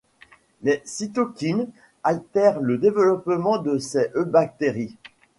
Les cytokines altèrent le développement de ces eubactéries.